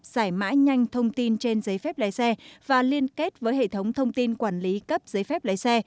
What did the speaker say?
giải mã nhanh thông tin trên giấy phép lái xe và liên kết với hệ thống thông tin quản lý cấp giấy phép lấy xe